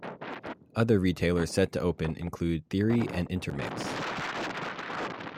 Other retailers set to open include Theory and Intermix.